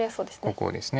ここです。